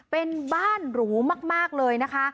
เป็นบ้านหรูมากเลยนะคะ